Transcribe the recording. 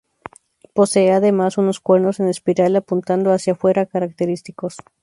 Posee además unos cuernos en espiral apuntando hacia fuera característicos.